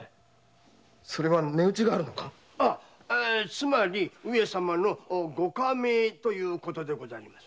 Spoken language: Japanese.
つまり上様の御下命ということでございます。